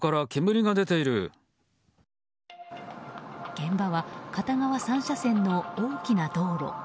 現場は片側３車線の大きな道路。